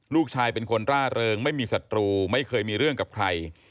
ลูกชายเป็นคนร่าเริงไม่มีศัตรูไม่เคยมีเรื่องกับใคร